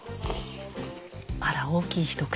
あら大きい一口。